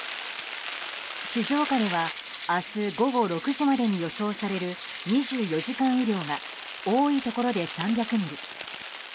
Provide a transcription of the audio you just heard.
静岡では明日午後６時までに予想される２４時間雨量が多いところで３００ミリ。